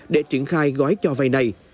để triển khai gói cho vay này